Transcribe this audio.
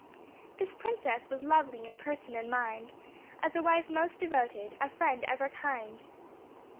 This princess was lovely in person and mind, As a wife most devoted, a friend ever kind.